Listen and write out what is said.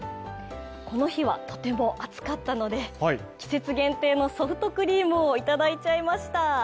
この日はとても暑かったので、季節限定のソフトクリームをいただいちゃいました。